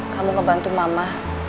kamu ngebantu mama